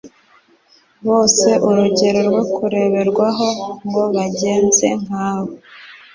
bose urugero rwo kureberwaho ngo bagenze nka we.